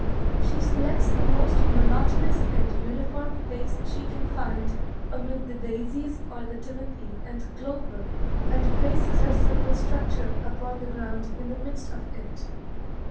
She selects the most monotonous and uniform place she can find amid the daisies or the timothy and clover, and places her simple structure upon the ground in the midst of it.